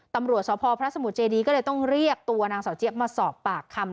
ตำรวจสพพระสมุทรเจดีก็เลยต้องเรียกตัวนางสาวเจี๊ยบมาสอบปากคำ